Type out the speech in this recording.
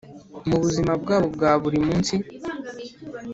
mu buzima bwabo bwaburi munsi